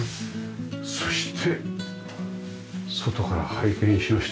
そして外から拝見しました。